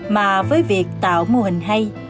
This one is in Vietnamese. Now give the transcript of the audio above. mà với việc tạo mô hình hay